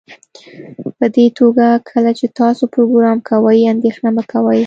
پدې توګه کله چې تاسو پروګرام کوئ اندیښنه مه کوئ